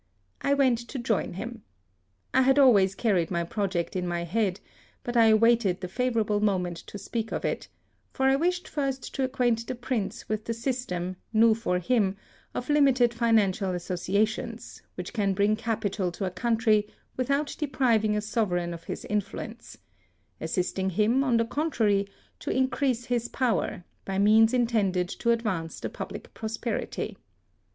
I went to join him. I had always carried my project in my head, but I awaited the favourable moment to speak of it, for I wished first to acquaint the Prince with the system, new for him, of limited financial associations, which can bring capital to a country without depriving a sovereign of his influence — assisting him, on the contrary, to increase his power, by means intended to advance the public prosperity.